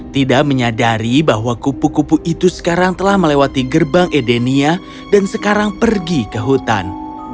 tidak menyadari bahwa kupu kupu itu sekarang telah melewati gerbang edenia dan sekarang pergi ke hutan